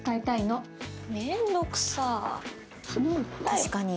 確かに。